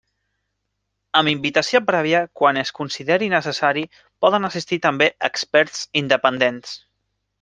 Amb invitació prèvia, quan es considere necessari, poden assistir també experts independents.